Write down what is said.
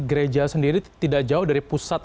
gereja sendiri tidak jauh dari pusat